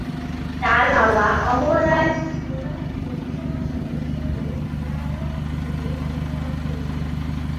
তার বাবা অমর রায় প্রধান লোকসভা সদস্য ও বিধায়ক হিসেবে দায়িত্ব পালন করেছেন।